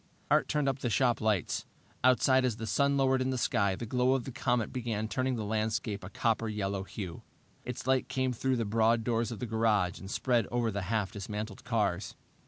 Art turned up the shop lights. Outside, as the sun lowered in the sky, the glow of the comet began turning the landscape a copper yellow hue. Its light came through the broad doors of the garage and spread over the half dismantled cars.